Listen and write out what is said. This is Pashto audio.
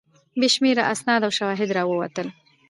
بې شمېره اسناد او شواهد راووتل.